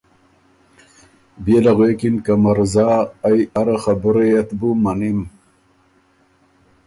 بيې له غوېکِن که مرزا ائ اره خبُرئ ات بُو مَنِم۔